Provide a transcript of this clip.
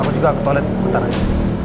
aku juga ke toilet sebentar aja